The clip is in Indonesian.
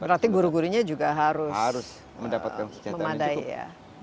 berarti guru gurunya juga harus mendapatkan memadai ya